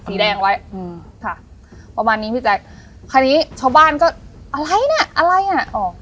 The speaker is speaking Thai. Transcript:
สีแดงไว้อืมค่ะประมาณนี้พี่แจ๊คคราวนี้ชาวบ้านก็อะไรน่ะอะไรอ่ะออก